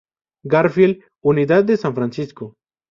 Garfield, Unidad de San Francisco.